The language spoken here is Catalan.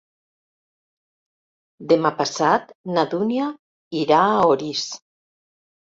Demà passat na Dúnia irà a Orís.